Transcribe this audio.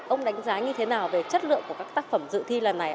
ông đánh giá như thế nào về chất lượng của các tác phẩm dự thi lần này